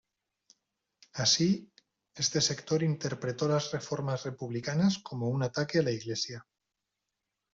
Así, este sector interpretó las reformas republicanas como un ataque a la Iglesia.